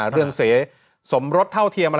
อะเรื่องเสร็จสมรถเท่าเทียม